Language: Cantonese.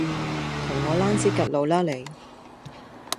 同我躝屍趌路啦你